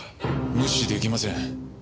無視出来ません。